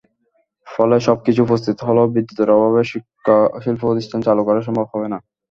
ফলে সবকিছু প্রস্তুত হলেও বিদ্যুতের অভাবে শিল্পপ্রতিষ্ঠান চালু করা সম্ভব হবে না।